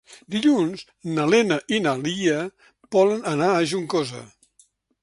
Dilluns na Lena i na Lia volen anar a Juncosa.